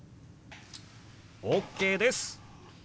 ＯＫです！